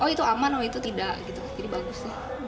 itu aman atau tidak jadi bagus